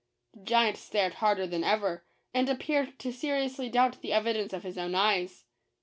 The giant stared harder than ever, and appeared to seriously doubt the evidence of' his own eyes.